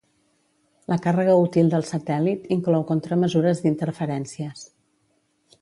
La càrrega útil del satèl·lit inclou contramesures d'interferències.